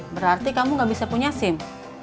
berarti kamu gak bisa punya sim